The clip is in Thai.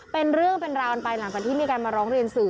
เป็นเรื่องเป็นราวกันไปหลังจากที่มีการมาร้องเรียนสื่อ